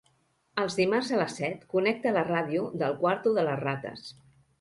Els dimarts a les set connecta la ràdio del quarto de les rates.